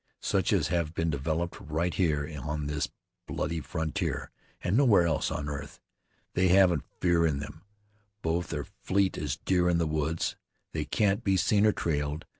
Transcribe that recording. Such as have been developed right here on this bloody frontier, and nowhere else on earth. They haven't fear in them. Both are fleet as deer in the woods. They can't be seen or trailed.